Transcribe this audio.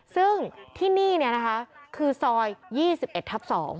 ซึ่งที่นี่คือซอย๒๑ทับ๒